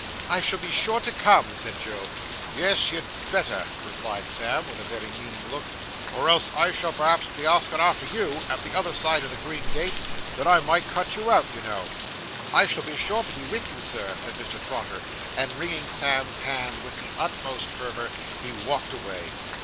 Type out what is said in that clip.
'I shall be sure to come,' said Job. 'Yes, you'd better,' replied Sam, with a very meaning look, 'or else I shall perhaps be askin' arter you, at the other side of the green gate, and then I might cut you out, you know.' 'I shall be sure to be with you, sir,' said Mr. Trotter; and wringing Sam's hand with the utmost fervour, he walked away.